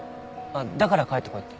だから帰ってこいって？